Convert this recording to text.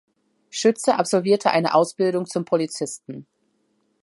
Schütze absolvierte eine Ausbildung zum Polizisten.